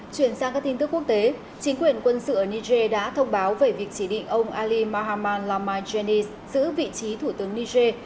chuyển sang các tin tức quốc tế chính quyền quân sự ở niger đã thông báo về việc chỉ định ông ali mahamad lamijani giữ vị trí thủ tướng niger